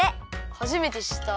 はじめてしった！